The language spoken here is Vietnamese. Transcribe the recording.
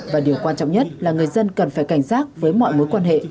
và điều quan trọng nhất là người dân cần phải cảnh giác với mọi mối quan hệ